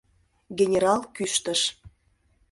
— генерал кӱштыш.